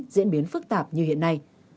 diễn biến phức tạp như hiện nay